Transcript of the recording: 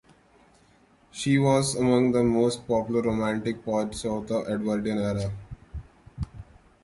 She was among the most popular romantic poets of the Edwardian era.